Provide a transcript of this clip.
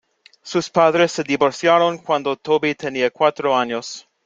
Sus padres se divorciaron cuando Toby tenía cuatro años.